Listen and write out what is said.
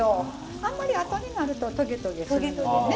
あんまりあとになるとトゲトゲするのでね。